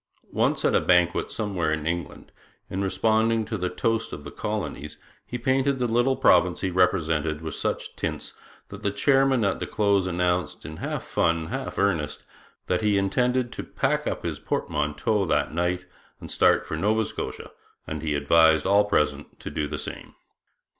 Once, at a banquet somewhere in England, in responding to the toast of the colonies, he painted the little province he represented with such tints that the chairman at the close announced, in half fun, half earnest, that he intended to pack up his portmanteau that night and start for Nova Scotia, and he advised all present to do the same.